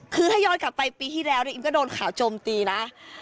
คือถ้ายอดกลับไปปีที่แล้วอิ่มก็โดนขาวจมตีนะ